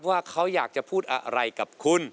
ว่าเขาอยากจะพูดอะไรกับคุณ